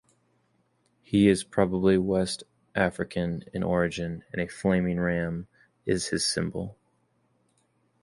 He is probably West African in origin and a flaming ram is his symbol.